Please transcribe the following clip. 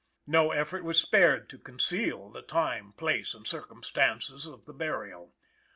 No effort was spared to conceal the time, place and circumstances of the burial.